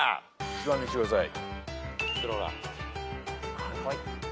１番見してください。